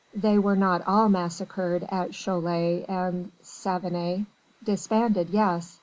They were not all massacred at Cholet and Savenay. Disbanded, yes!